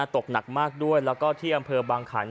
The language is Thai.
ตกหนักมากด้วยแล้วก็ที่อำเภอบางขัน